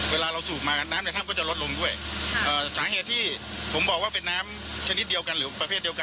เวลาเราสูบมากันน้ำในถ้ำก็จะลดลงด้วยเอ่อสาเหตุที่ผมบอกว่าเป็นน้ำชนิดเดียวกันหรือประเภทเดียวกัน